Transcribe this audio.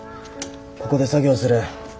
ここで作業する。